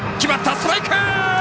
ストライク！